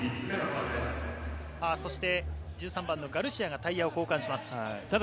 １３番のガルシアがタイヤを交換します。